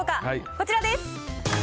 こちらです。